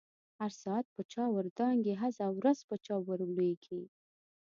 هر ساعت په چاور دانګی، هزه ورځ په چا ور لويږی